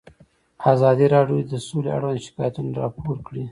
ازادي راډیو د سوله اړوند شکایتونه راپور کړي.